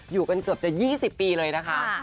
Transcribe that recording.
อยู่กันเกือบจะ๒๐ปีเลยนะคะ